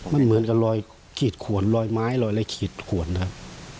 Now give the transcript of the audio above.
มันเหมือนกับรอยขีดขวนรอยไม้รอยอะไรขีดขวนครับ